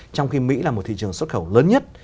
trong khi mỹ là một thị trường xuất khẩu lớn nhất